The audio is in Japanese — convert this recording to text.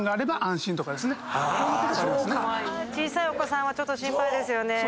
小さいお子さんはちょっと心配ですよね。